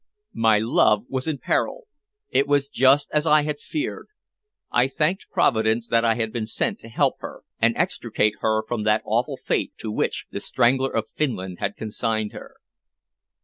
My love was in peril! It was just as I had feared. I thanked Providence that I had been sent to help her and extricate her from that awful fate to which "The Strangler of Finland" had consigned her.